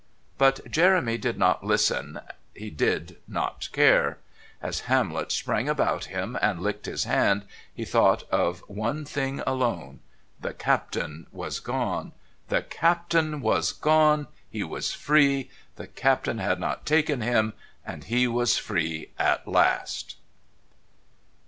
But Jeremy did not listen, he did not care. As Hamlet sprang about him and licked his hand he thought of one thing alone. The Captain was gone! The Captain was gone! He was free! The Captain had not taken him, and he was free at last!